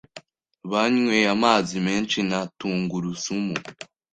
banyweye amazi menshi na tungurusumu